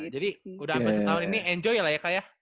jadi udah sampai setahun ini enjoy lah ya kak ya